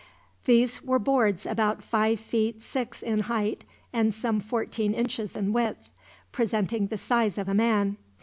These were boards about five feet six in height, and some fourteen inches in width, presenting the size of a man.